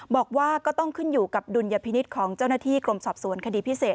บอกว่าก็ต้องขึ้นอยู่กับดุลยพินิษฐ์ของเจ้าหน้าที่กรมสอบสวนคดีพิเศษ